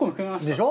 でしょ？